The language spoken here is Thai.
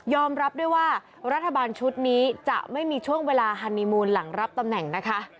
รับด้วยว่ารัฐบาลชุดนี้จะไม่มีช่วงเวลาฮันนีมูลหลังรับตำแหน่งนะคะ